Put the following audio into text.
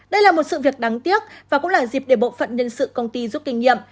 đây là một sự việc đáng tiếc và cũng là dịp để bộ phận nhân sự công ty giúp kinh nghiệm